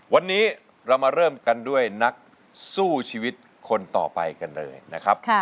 วันนี้เรามาเริ่มกันด้วยนักสู้ชีวิตคนต่อไปกันเลยนะครับ